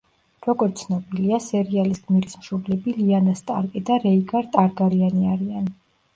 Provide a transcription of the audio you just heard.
როგორც ცნობილია, სერიალის გმირის მშობლები ლიანა სტარკი და რეიგარ ტარგარიანი არიან.